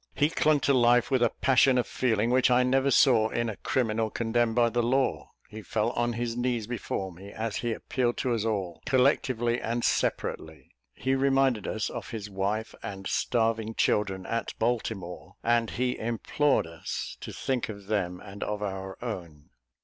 He clung to life with a passion of feeling which I never saw in a criminal condemned by the law; he fell on his knees before me, as he appealed to us all, collectively and separately; he reminded us of his wife and starving children at Baltimore, and he implored us to think of them and of our own.